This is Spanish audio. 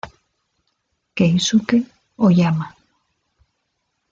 Keisuke Oyama